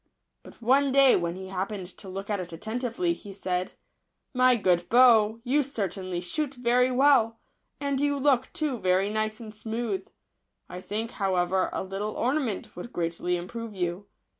But one day, when he happened to look at it atten tively, he said, " My good bow, you certainly shoot very well, and you look, too, very nice and smooth ; I think, however, a little ornament would greatly improve you.